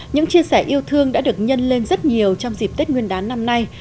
những chia sẻ yêu thương đã được nhân lên rất nhiều trong dịp tết nguyên đán năm nay